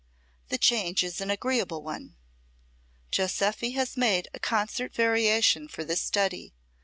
The change is an agreeable one. Joseffy has made a concert variation for this study.